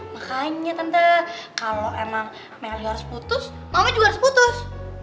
makanya tante kalau emang melio harus putus mama juga harus putus